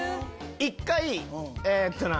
１回えっとな。